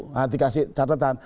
nah dikasih catatan